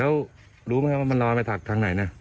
แล้วรู้ไหมครับว่ามันลอยไปถักทางไหนนะ